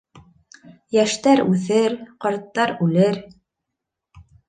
Йәштәр үҫер, ҡарттар үлер.